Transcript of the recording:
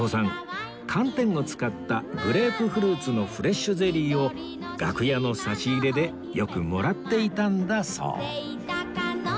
寒天を使ったグレープフルーツのフレッシュゼリーを楽屋の差し入れでよくもらっていたんだそう